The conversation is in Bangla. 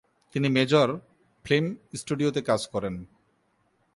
তিনি মেজর ফিল্ম স্টুডিওতে কাজ করেন।